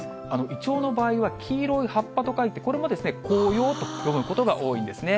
イチョウの場合は黄色い葉っぱと書いて、これもですね、こうようと読むことが多いんですね。